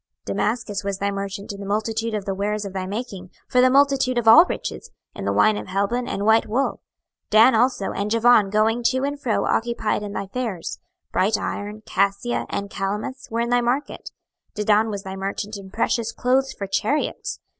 26:027:018 Damascus was thy merchant in the multitude of the wares of thy making, for the multitude of all riches; in the wine of Helbon, and white wool. 26:027:019 Dan also and Javan going to and fro occupied in thy fairs: bright iron, cassia, and calamus, were in thy market. 26:027:020 Dedan was thy merchant in precious clothes for chariots.